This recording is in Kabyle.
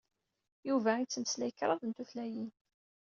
Yuba ittmeslay kraḍ n tutlayin.